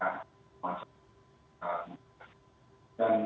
dan wawancara di situ